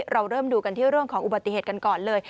เราเริ่มดูกันที่เรื่องของอุบัติเหตุกันก่อนเลย